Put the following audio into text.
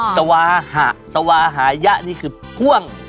สวาหะสวาหายะนี่คือพ่วง